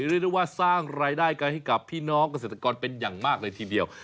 เรียกได้ว่าสร้างรายได้กันให้กับพี่น้องเกษตรกรเป็นอย่างมากเลยทีเดียว